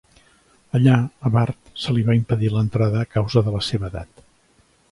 Allà, a Bart se li va impedir l'entrada a causa de la seva edat.